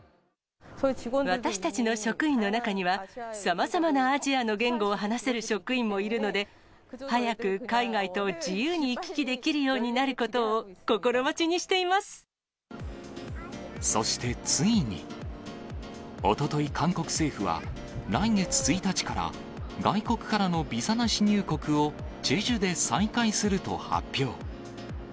私たちの職員の中には、さまざまなアジアの言語を話せる職員もいるので、早く海外と自由に行き来できるようになることを心待ちにしていまそしてついに、おととい、韓国政府は、来月１日から、外国からのビザなし入国をチェジュで再開すると発表。